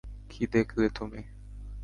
কী দেখলে তুমি?